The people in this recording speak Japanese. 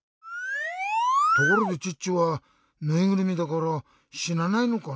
ところでチッチはぬいぐるみだからしなないのかなあ？